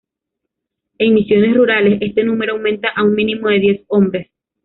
En misiones rurales, este número aumenta a un mínimo de diez hombres.